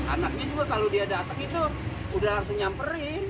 anaknya juga kalau dia datang itu udah langsung nyamperin